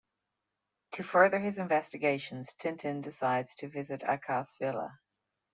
To further his investigations, Tintin decides to visit Akass' villa.